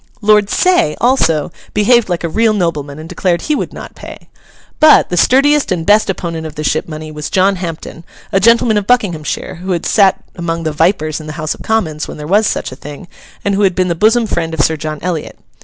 Lord Say, also, behaved like a real nobleman, and declared he would not pay. But, the sturdiest and best opponent of the ship money was John Hampden, a gentleman of Buckinghamshire, who had sat among the 'vipers' in the House of Commons when there was such a thing, and who had been the bosom friend of Sir John Eliot.